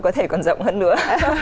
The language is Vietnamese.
có thể còn rộng hơn nữa